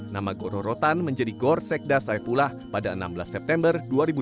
nama gororotan menjadi gor sekda saifullah pada enam belas september dua ribu dua puluh